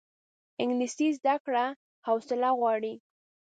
انګلیسي زده کړه حوصله غواړي